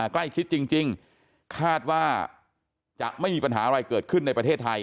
ใกล้ชิดจริงคาดว่าจะไม่มีปัญหาอะไรเกิดขึ้นในประเทศไทย